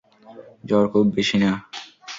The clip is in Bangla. জ্বর খুব বেশি না।